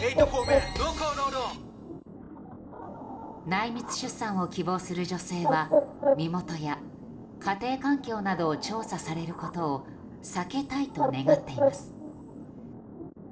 内密出産を希望する女性は身元や家庭環境などを調査されることを避けたいと願っています。